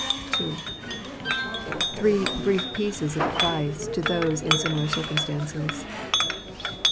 II. Three Brief Pieces of Advice to those in Similar Circumstances.